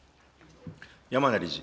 山名理事。